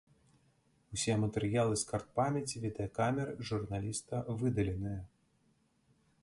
Усе матэрыялы з карт памяці відэакамеры журналіста выдаленыя.